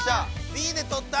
Ｂでとった！